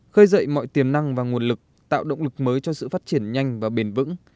khơi dậy mọi tiềm năng và nguồn lực tạo động lực mới cho sự phát triển nhanh và bền vững